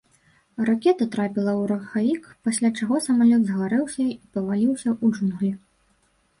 Ракета трапіла ў рухавік, пасля чаго самалёт загарэўся і паваліўся ў джунглі.